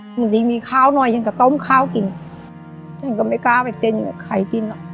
จริงมีข้าวหน่อยอย่างกับต้มข้าวกินฉันก็ไม่กล้าไปเต็มอย่างกับไข่กิน